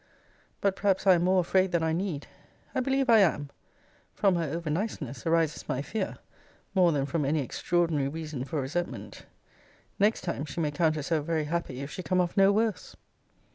But perhaps I am more afraid than I need. I believe I am. From her over niceness arises my fear, more than from any extraordinary reason for resentment. Next time, she may count herself very happy, if she come off no worse.